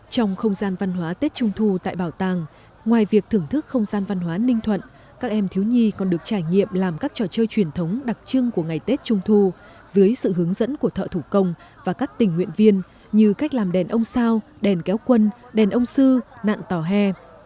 trong không gian văn hóa tết trung thu tại bảo tàng ngoài việc thưởng thức không gian văn hóa ninh thuận các em thiếu nhi còn được trải nghiệm làm các trò chơi truyền thống đặc trưng của ngày tết trung thu dưới sự hướng dẫn của thợ thủ công và các tình nguyện viên như cách làm đèn ông sao đèn kéo quân đèn ông sư nạn tòa hè